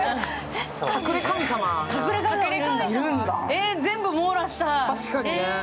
えー、全部網羅したい。